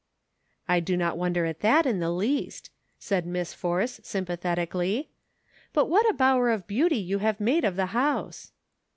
" I do not wonder at that in the least," said Miss Force sympathetically ;" but what a bower of beauty you have made of the house